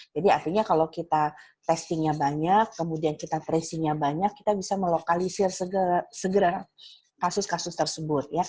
jadi artinya kalau kita testingnya banyak kemudian kita tracingnya banyak kita bisa melokalisir segera kasus kasus tersebut